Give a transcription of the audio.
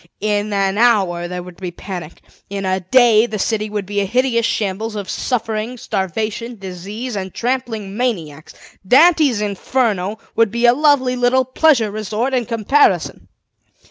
In an hour there would be a panic; in a day the city would be a hideous shambles of suffering, starvation, disease, and trampling maniacs. Dante's Inferno would be a lovely little pleasure resort in comparison.